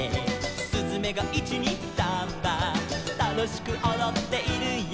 「すずめが１・２・サンバ」「楽しくおどっているよ」